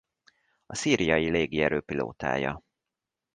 A szíriai légierő pilótája.